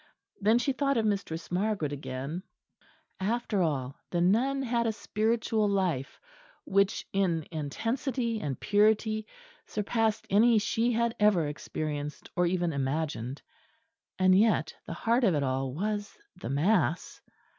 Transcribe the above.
Then she thought of Mistress Margaret again. After all, the nun had a spiritual life which in intensity and purity surpassed any she had ever experienced or even imagined; and yet the heart of it all was the mass.